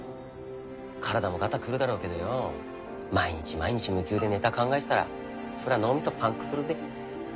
体もがたくるだろうけどよ毎日毎日無休でネタ考えてたらそりゃ脳みそパンクするぜ。